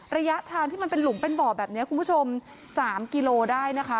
ระยะทางที่มันเป็นหลุมเป็นบ่อแบบนี้คุณผู้ชม๓กิโลได้นะคะ